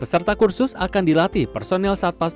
prosedur mendapatkan lisensi menggunakan sim